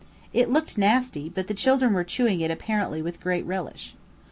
It looked nasty, but the children were chewing it apparently with great relish.